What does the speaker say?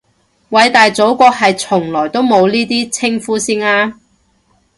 偉大祖國係從來都冇呢啲稱呼先啱